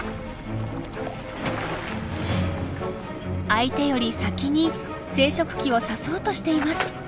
相手より先に生殖器を刺そうとしています。